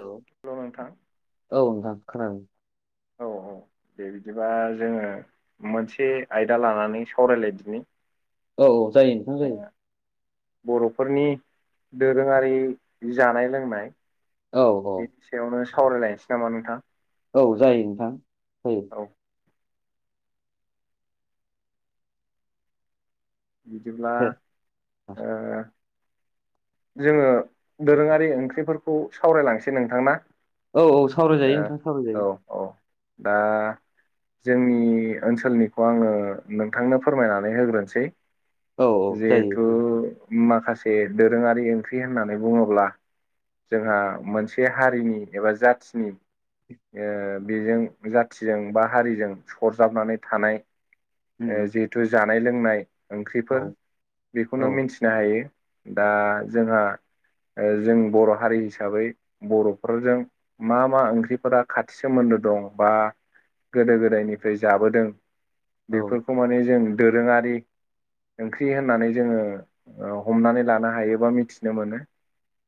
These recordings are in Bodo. अ हेल' नोंथां औ नोंथां खोनादों औ औ बिदिबा जोङो मोनसे आयदा लानानै सावरायलायदिनि औ औ जायो नोंथां ओ जायो बर'फोरनि दोरोङारि जानाय लोंनाय औ बेनि सायावनो सावरायलायनोसै नामा नोंथां औ जायो नोंथां जायो औ बिदिब्ला ओ जोङो दोरोङारि ओंख्रिफोरखौ सावरायलांसै नोंथां ना औ औ सावरायजायो नोंथाङा सावरायजायो औ दा जोंनि ओनसोलनिखौ आङो नोंथांनो फोरमायनानै होग्रोनोसै औ औ जायो जिहेथु जायो। माखासे दोरोङारि ओंख्रि होननानै बुङोब्ला जोंहा मोनसे हारिनि एबा जाथिनि ओ बेजों जाथिजों बा हारिजों सरजाबनानै थानाय उम जिहेथु जानाय लोंनाय औ ओंख्रिफोर औ बेखौनो मिन्थिनो हायो दा जोंहा जों बर' हारि हिसाबै बर'फोरजों मा मा ओंख्रिफोरा खाथि सोमोन्दो दं बा गोदो गोदायनिफ्राय जाबोदों औ बेफोरखौ माने जों दोरोङारि ओंख्रि होननानै जोङो हमनानै लानो हायोबा मिथिनो मोनो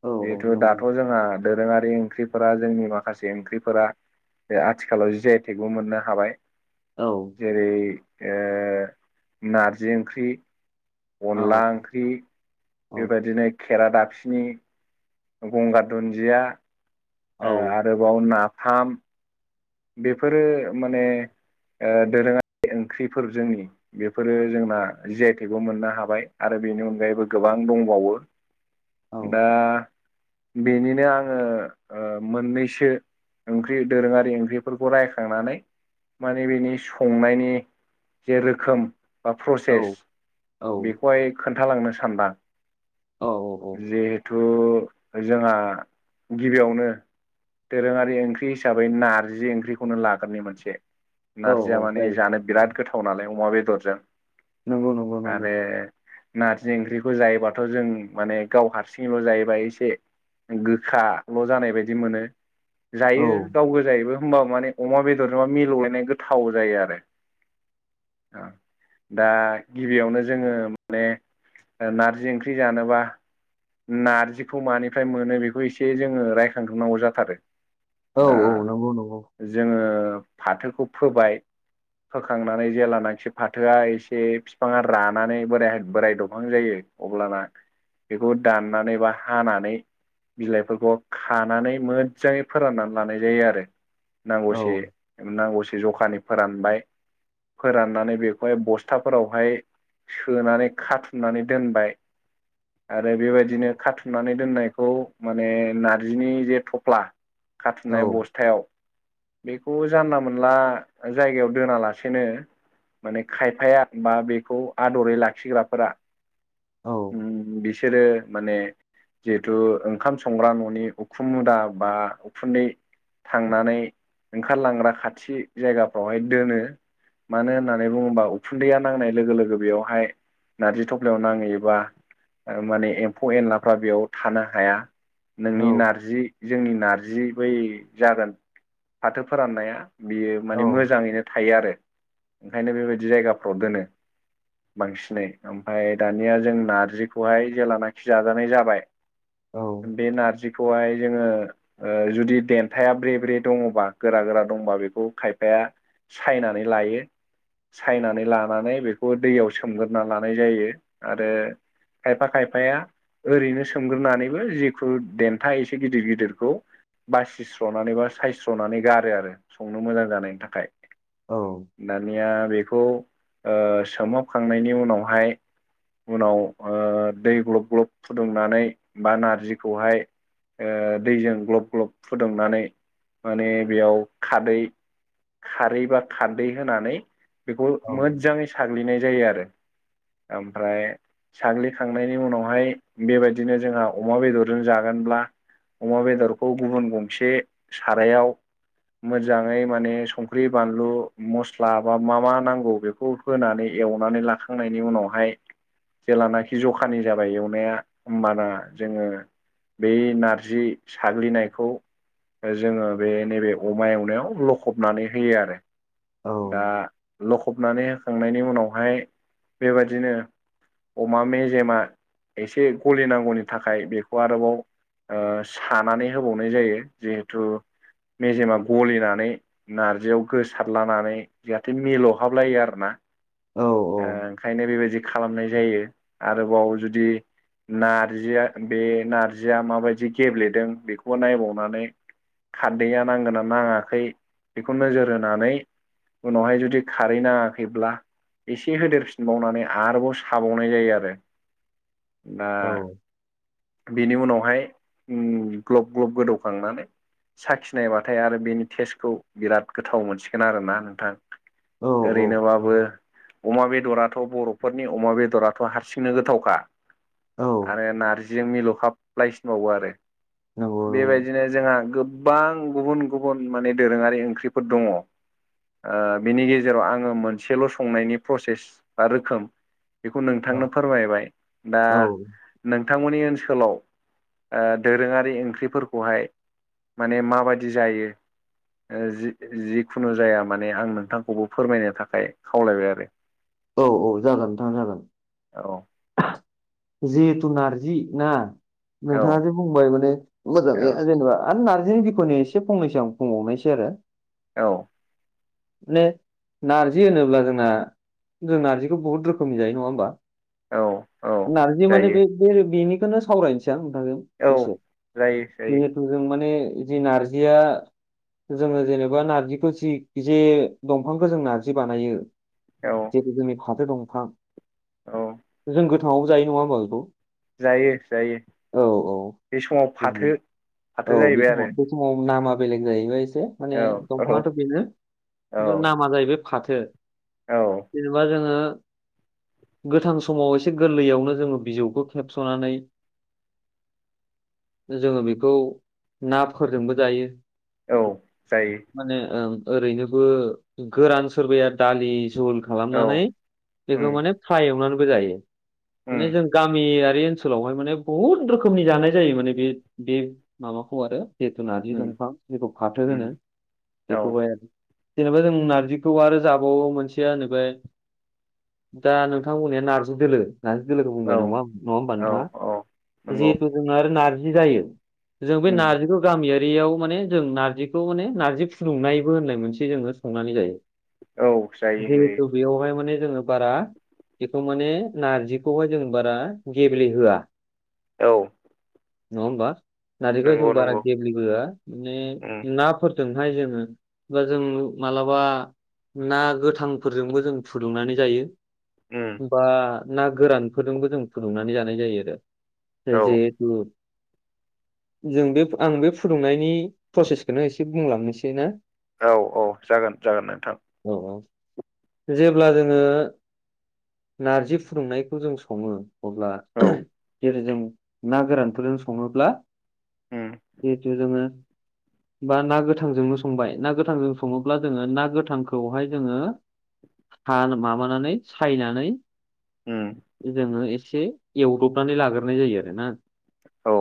औ जिहेथु दाथ' नंगौ जोंहा दोरोङारि ओंख्रिफोरा जोंनि माखासे ओंख्रिफोरा आथिखालाव जि आइ थेगबो मोननो हाबाय औ जेरै ओ नारजि ओंख्रि औ अनला ओंख्रि औ बेबायदिनो खेरा दाबसिनि गंगार दुन्दिया औ आरोबाव नाफाम बेफोरो माने दोरोङारि ओंख्रिफोर जोंनि बेफोरो जोंना जि आइ थेगखौ मोननो हाबाय आरो बेनि अनगायैबो गोबां दंबावो औ दा बेनिनो आङो मोननैसो ओंख्रि दोरोङारि ओंख्रि फोरखौ रायखांनानै माने बेनि संनायनि जे रोखोम बा औ प्रसेस बेखौहाय खोन्थालांनो सानदां औ औ-औ उ जोंहा गिबियावनो दोरोङारि ओंख्रि हिसाबै नारजि ओंख्रि ओंख्रिखौनो लाग्रोनि मोनसे, औ नारजिया माने जायो जानो बिराद गोथाव नालाय अमा बेदरजों। नंगौ नंगौ-नंगौ आरो नारजि ओंख्रिखौ जायोबाथ' जों माने गाव हारसिङैल' जायोबा एसे गोखाल' जानाय बायदि मोनो, औ जायो गाव गोजायोबो होनबा माने अमा बेदरजोंबा मिलौलायनाय गोथाव जायो आरो दा गिबियावनो जोङो माने नारजि ओंख्रि जानोबा । नारजिखौ मानिफ्राय मोनो बेखौ एसे जोङो रायखांग्रोनांगौ जाथारो औ दा औ नंगौ नंगौ जोङो फाथोखौ फोबाय फोखांनानै जेब्लानाखि फाथोआ एसे बिफाङा रानानै बोराय बोराय दबहां जायो अब्लाना बेखौ दाननानै बा हानानै बिलाइफोरखौ खानानै मोजाङै फोराननानै लानाय जायो आरो औ नांगौसे, नांगौसे जखानि फोरानबाय फोराननानै बेखौहाय बस्थाफोरावहाय सोनानै खाथुमनानै दोनबाय आरो बेबायदिनो खाथुमनानै दोननायखौ माने नारजिनि जे थफ्ला औ खाथुमनाय बस्थायाव बेखौ जानला मोनला जायगायाव दोनालासेनो माने खायफाया बा बेखौ आदरै लाखिग्राफोरा, औ ओम बिसोरो माने जिहेथु ओंखाम संग्रा न'नि उखुम मुदा बा उखुन्दै थां नानै ओंखारलांग्रा खाथि जायगाफ्रावहाय मानो होननानै बुङोबा उखुन्दैया नांनाय लोगो लोगो बेयावहाय नारजि थफ्लायाव नाङैबा माने एम्फौ एनलाफ्रा बेयाव थानो हाया औ नोंनि नारजि जोंनि नारजि बै जागोन फाथो फोराननाया बियो माने मोजाङैनो थायो आरो ओंखायनो बेबायदि जायगाफ्राव दोनो बांसिनै, ओमफ्राय दानिया जों नारजिखौहाय जेेलानाखि जाजानाय जाबाय औ बे नारजिखौहाय जोङो जुदि देन्थाया ब्रे ब्रे दङबा गोरा गोरा दङबा बेखौ खायफाया सायनानै लायो सायनानै लानानै बेखौ दैयाव सोमग्रोना लानाय जायो आरो खायफा खायफाया ओरैनो सोमग्रोनानैबो जेखुनु देन्था एसे गिदिर गिदिरखौ बासिस्र'नानै बा साइस स्र'नानै गारो आरो संनो मोजां जानायनि थाखाय दानिया। बेखौ ओ, सोमहाबखांनायनि उनावहाय उनाव ओ, दै ग्लब ग्लब फुदुंनानै बा नारजिखौहाय ओ, दैजों ग्लब ग्लब फुदुंनानै माने बेयाव खारदै खारै बा खारदै होनानै बेखौ मोजाङै साग्लिनाय जायो आरो ओमफ्राय साग्लिखांनायनि उनावहाय बेबायदिनो जोंहा अमा बेदरजों जागोनब्ला अमा बेदरखौ गुबुन गंसे सारायाव मोजाङै माने संख्रि बानलु मस्ला बा मा मा नांगौ बेखौ होनानै एवनानै लाखांनायनि उनावहाय जेेलानाखि जखानि जाबाय एवनाया होमबाना जोङो बे नारजि साग्लिनायखौ जोङो बे नैबे अमा एवनायाव लखबनानै होयो आरो दा लखबनानै होखांनायनि उनावहाय बेबायदिनो अमा मेजेमा एसे गलिनांगौनि थाखाय बेखौ आरोबाव ओ, सानानै होबावनाय जायो जिहेथु मेजेमा गलिनानै नारजियाव गोसारलानानै जाहाथे मिलौहाबलायो आरो ना औ ओंखायनो बेबायदि खालामनाय जायो आरोबाव जुदि नारजिया बे नारजिया माबायदि गेब्लेदों बेखौबो नायबावनानै खारदैया नांगोनना नाङाखै बेखौ नोजोर होनानै उनावहाय जुदि खारै नाङाखैब्ला एसे होदेरफिनबावनानै आरोबाव साबावनाय जायो आरो दा औ बेनि उनावहाय ग्लब ग्लब गोदौखांनानै साखिनायबाथाय आरो बेनि टेस्टखौ बिराद गोथाव मोनसिगोन आरोना नोंथां औ ओरैनोबाबो अमा बेदराथ' बर'फोरनि अमा बेदराथ' हारसिंनो गोथावखा औ आरो नारजि बिजों मिल'हाबलायसिनबावो आरो नंगौ नंगौ बिदिनो जोंहा गोबां गुबुन गुबुन माने दोरोङारि ओंख्रिफोर दङ बिनि गेजेराव आङो मोनसेल' संनायनि प्रसेस बा रोखोम बेखौ औ नोंथांनो फोरमायबाय दा औ नोंथांमोननि ओनसोल ओनसोलाव दोरोङारि ओंख्रिफोरखौहाय माने माबायदि जायो जि जिखुनु जाया माने आं नोंथांखौबो फोरमायनो थाखाय खावलायबाय आरो औ औ जागोन नोंथां जागोन आरो जिहेथु नारजि ना औ नोंथाङा जे बुंबाय माने मोजाङै जेनेबा आरो नारजि आनि बिख'नि एसे फंनैसो आं बुंबावनायसै आरो औ माने नारजि होनोब्ला जोंना जों नार्जिखौ बुहुद रोखोमनि जायो नङा होमबा औ औ नार्जि माने जायो बे बेनि बेखौनो सावरायनोसै आं नोंथांजों औ दसे जायो जायो जिहेथु जों माने जि नारजिया जोङो जेनेबा नारजिखौ जि जे दंफांखौ जों नार्जि बानायो औ जिहेतु जोंनि फाथो दंफां औ जों गोथाङावबो जायो नङा होमबा बेखौ जायो जायो औ औ बे समाव जोङो फाथो औ फाथो बे जाहैबाय सम बे समाव नामा बेलेग जाहैबाय एसे माने आरो औ दंफाङाथ' बेनो औ खिन्थु नामा जाहैबाय फाथो औ जेनेबा जोङो [inaudible] गोथां समाव एसे गोरलैयावनो जोङो बिजौखौ खेबस'नानै जोङो बेखौ नाफोरजोंबो जायो औ जायो माने ओं ओरैनोबो गोरान सोरबाया दालि जुल औ खालामनानै उम बेखौ माने फाय एवनानैबो जायो उम माने जों गामि आरो बे ओनसोलावहाय माने बहुत रोखोमनि जानाय जायो माने बे बे माबाखौ आरो जिहेथु नारजि उम दंफां जेखौ फाथो उम होनो औ बेखौ हाय जेनेबा जों नारजिखौ आरो जाबावो मोनसे थिया होनोबाय दा नोंथांमोननिया नार्जि दोलो नारजि दोलोखौ बुंबाय औ नङा नङा होमबा औ नोंथाङा औ नंगौ जिहेथु जोंना आरो नार्जि जायो जों बे उम नारजिगखौ गामियारि दैयाव माने जों नारजिखौ माने नारजि फुदुंनायबो होननाय मोनसे जोङो संनानै जायो औ जायो जायो जिहेतु बेयावहाय माने जोङो बारा बेखौ माने नारजिखौहाय जों बारा गेब्लेहोआ औ नङा होमबा नारजिखौ जों नंगौ बारा नंगौ गेब्लेबोआ माने उम नाफोर जोंहाय जोङो खुगाजों मालाबा ना गोथ हांफोरजोंबो जों फुदुंनानै जायो उम बा ना गोरानफोरजोंबो जों फुदुंनानै जानाय जायो आरो औ जिहेथु जों बे आं बे फुदुंनायनि प्रसेसखौनो एसे बुंलांनोसै ना औ औ जागोन जागोन नोंथां औ औ जेब्ला जोङो नारजि फुदुंनायखौ जों सङो अब्ला औ जेरै जों ना गोरानफोरजों सङोब्ला उम जेहुथु जोङो बा ना गोथांजोंनो संबाय ना गोथांजों सङोब्ला जोङो ना गोथांखौहाय जोङो माबानानै सायनानै उम जोङो ए एसे एवद्रबनानै लाग्रोनाय जायो आरो ना। औ।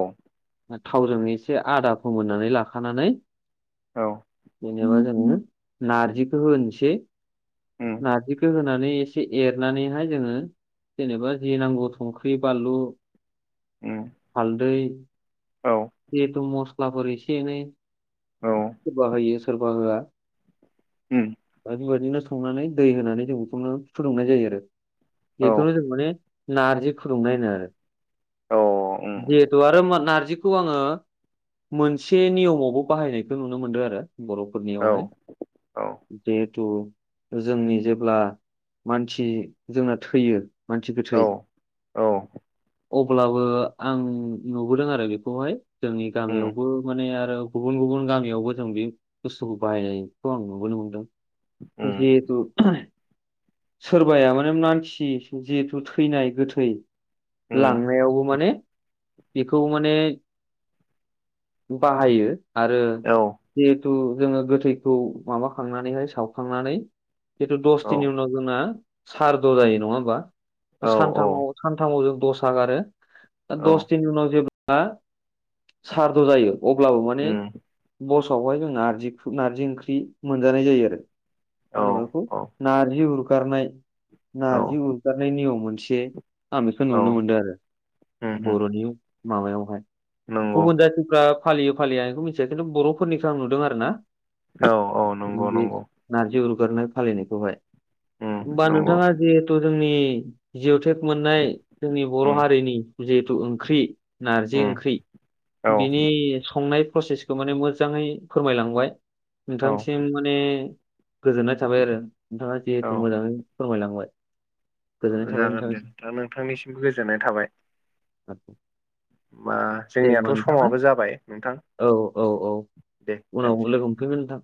थावजों एसे आदा फोमोननानै लाखानानै औ। जेनबा जोङो नारजिखौ होन उम नारजिखौ होनानै। एनानैहाय जोङो जेननोबा जि नांगौ संख्रि बानलु उम हालदै औ जिहेथु मस्लाफोर एसे एनै औ सोरबा होयो सोरबा होआ- उम। बेबदिनो संनानै दै होनानै जों बेखौ फुदुंनाय जायो आरो औ बेखौनो जों माने नारजि फुदुंनाय होनो आरो औ उम जिहेथु आरो नारजि खौ आङो मोनसे नियमावबो बाहायनायखौ नुनो मोनदों आरो औ बर'फोरनियावहाय औ जे थु जोंनि जेब्ला मानसि जोंना थैयो। मानसि औ गोथै औ अब्लाबो आं नुबोदों आरो बेखौहाय जोंनि उम गामियावबो माने- ओ गुबुन गुबुन गामियावबो जों बे बुस्थुखौ बाहायनायखौ आं नुबोनो मोन्दों। उम जेहुथु। सोरबाया माने मानसि जिहेथु थैनाय गोथै उम लांनायावबो माने। बेखौ माने बाहायो आरो औ बे थु जोङो गोथैखौ माबाखांनानैहाय सावखांनानै जितु औ दसथिनि उनाव जोंना सारद' जायो नङा होमबा। औ सानथामाव सानथामाव जों दस ह गारो द औ दस दिनि उनाव जेब्ला सारद' जायो अब्लाबो माने उम फासावहाय जोहा नार नारजि ओंख्रि मोनजानाय जायो आरो औ मा होना बेखौ नारजि हगारनाय औ नारजि उरगारनाय नियम मोनसे। आं बेखौ औ नुनो मोनदों आरो उम उम बर'नि माबायावहाय। नंगौ गुबुन जाथिफ्रा फालियो फालिया बेखौ मिथिया खिन्थु बर'फोरनिखौो आं नुदों आरो ना। औ औ नंगौ नंगौ। जिउ गारनाय फालिनायखौहाय उम हबा नंगौ नोंथाङा जिहेथु जोंनि जि थेक मोननाय जोंनि बर' उम हारिनि जिहेथु ओंख्रि नारजि उम ओंख्रि औ बिनि संनाय प्रसेसखौ माने मोजाङै फोरमायलांबाय औ नोंथांसिम माने गोजोननाय थाबाय आरो नोंथाङा जिहेथु मोजाङै फोरमायलांबाय। गोजोननाय औ थाबाय जागोन दे नोंथांनिसिम नथां नोंथांनिसिमबो गोजोननाय थाबाय। होमबा दे जोंनियाथ' होनबा नोंथाङा समाबो जाबाय नोंथां औ औ औ। दे उनाव दोनसै लोगो ह मोनमफैगोनदां।